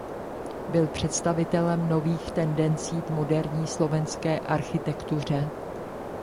Byl představitelem nových tendencí v moderní slovenské architektuře.